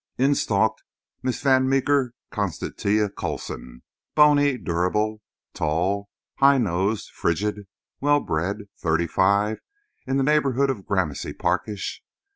In stalked Miss Van Meeker Constantia Coulson, bony, durable, tall, high nosed, frigid, well bred, thirty five, in the neighbourhood of Gramercy Parkish.